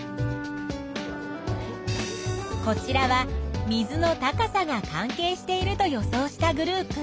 こちらは水の高さが関係していると予想したグループ。